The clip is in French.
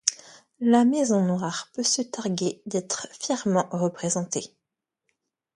La maison Noire peut se targuer d’être fièrement représentée…